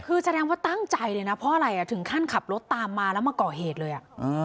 คือแสดงว่าตั้งใจเลยนะเพราะอะไรถึงขั้นขับรถตามมาแล้วมาก่อเหตุเลย